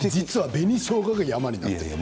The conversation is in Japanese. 紅しょうがが山になっている。